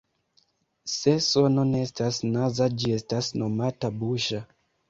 Se sono ne estas naza, ĝi estas nomata "buŝa.